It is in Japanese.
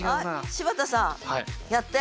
柴田さんやって。